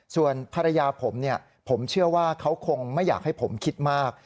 ส่วนภรรยาผมเขาคงไม่อยากให้ผมคิดมาก